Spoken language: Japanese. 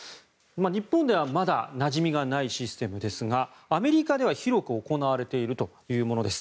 日本ではまだなじみがないシステムですがアメリカでは広く行われているというものです。